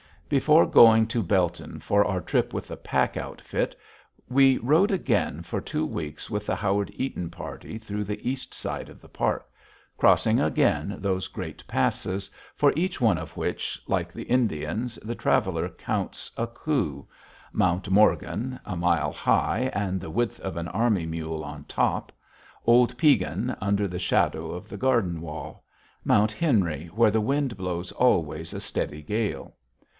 Before going to Belton for our trip with the pack outfit, we rode again for two weeks with the Howard Eaton party through the east side of the park, crossing again those great passes, for each one of which, like the Indians, the traveler counts a coup Mount Morgan, a mile high and the width of an army mule on top; old Piegan, under the shadow of the Garden Wall; Mount Henry, where the wind blows always a steady gale.